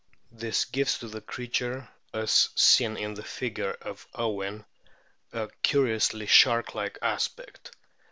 This gives to the creature, as seen in the figure of Owen,* a curiously shark like aspect.